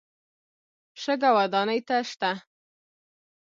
شګه ودانۍ ته شته.